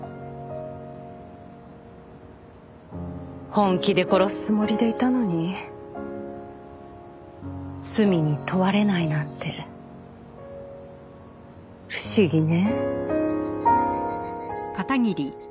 本気で殺すつもりでいたのに罪に問われないなんて不思議ね。